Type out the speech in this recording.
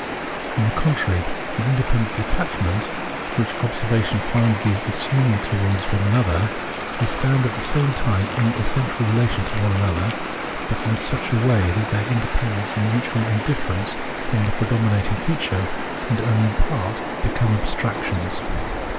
On the contrary : in tke independent detachment, which observation finds these assuming towards one another, they stand at the same time in essential relation to one another, but in such a way that their independence and mutual indifierence form the predominating feature, and only in part become abstractions.